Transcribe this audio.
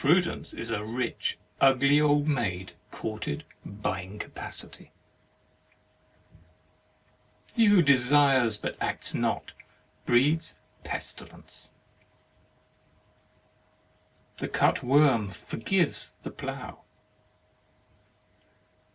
Prudence is a rich ugly old maid courted by Incapacity. He who desires, but acts not, breeds pestilence. The cut worm forgives the plough.